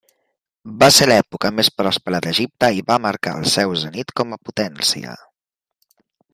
Va ser l'època més pròspera d'Egipte i va marcar el seu zenit com a potència.